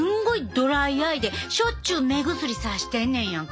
ドライアイでしょっちゅう目薬さしてんねんやんか。